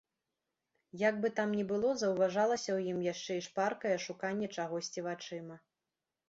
Як бы там ні было, заўважалася ў ім яшчэ і шпаркае шуканне чагосьці вачыма.